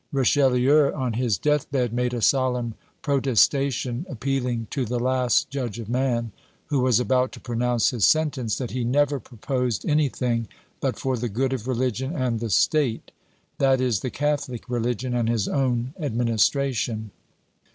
Richelieu, on his death bed, made a solemn protestation, appealing to the last judge of man, who was about to pronounce his sentence, that he never proposed anything but for the good of religion and the state; that is, the Catholic religion and his own administration.